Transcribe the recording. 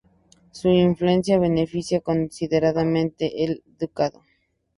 Su influencia beneficia considerablemente el ducado.